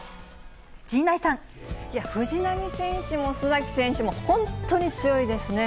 藤波選手も須崎選手も、本当に強いですね。